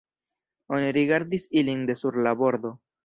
Oni rigardis ilin de sur la bordo.